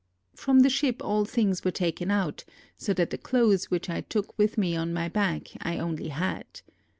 From the ship all things were taken out, so that the clothes which I took with me on my back I only had.